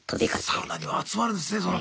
サウナには集まるんですねその。